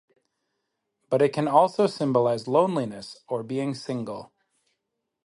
But it can also symbolize loneliness or being single.